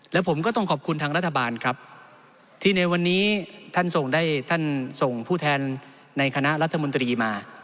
และผมก็ต้องขอบคุณทางรัฐบาลครับที่ในวันนี้ท่านส่งได้ท่านส่งผู้แทนในคณะรัฐมนตรีมา